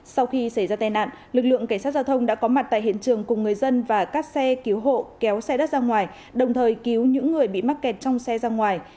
sau khi xảy ra tai nạn lực lượng cảnh sát giao thông đã có mặt tại hiện trường cùng người dân và các xe cứu hộ kéo xe đất ra ngoài đồng thời cứu những người bị mắc kẹt trong xe ra ngoài